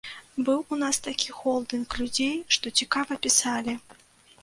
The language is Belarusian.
Быў у нас такі холдынг людзей, што цікава пісалі.